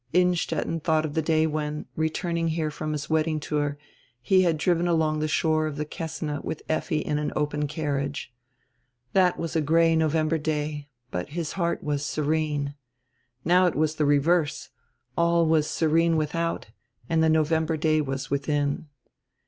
Innstetten diought of die day when, returning here from his wedding tour, he had driven along die shore of die Kessine with Effi in an open carriage. That was a gray November day, but his heart was serene. Now it was die reverse: all was serene without, and die November day was within.